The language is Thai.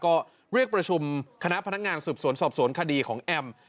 ก็เรียกประชุมคณะพนักงานสืบสวนสอบสวนคดีของแอม